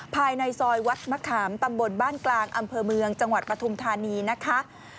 ภายในซอยวัดมะขามตำบลบ้านกลางอำเภอเมืองจังหวัดปฐุมธานีนะคะ